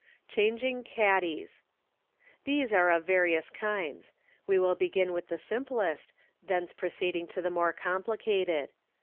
Changing Caddies. — These are of various kinds. We will begin with the simplest, thence proceeding to the more complicated.